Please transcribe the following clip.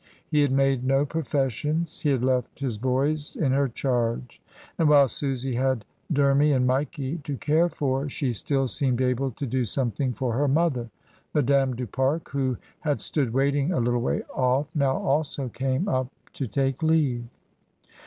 He had made no professions, he had left his boys in her charge; and while Susy had Dermy and Mikey to care for she still seemed able to do something for her mother. Madame du Pare, who had stood waiting a little way off, now also came up to take leave.